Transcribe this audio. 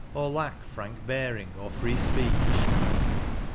Or lack frank bearing, or free speech?